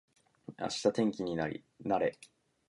明日天気になれ